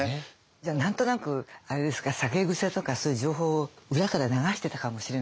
じゃあ何となくあれですか酒癖とかそういう情報を裏から流してたかもしれないんですか？